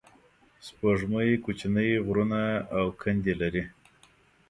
سپوږمۍ کوچنۍ غرونه او کندې لري